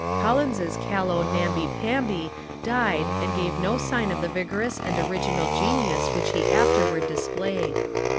Collins' callow namby pamby died and gave no sign of the vigorous and original genius which he afterward displayed.